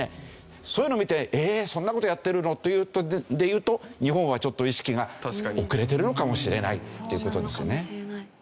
そういうのを見て「え？そんな事やってるの？」というのでいうと日本はちょっと意識が遅れてるのかもしれないっていう事ですね。